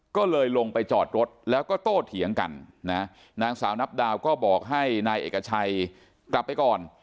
ก็เลยลงไปจอดรถแล้วก็โตเถียงกันนะนางสาวนับดาวก็บอกให้นายเอกชัยกลับไปก่อน